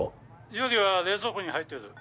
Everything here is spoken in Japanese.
料理は冷蔵庫に入ってる。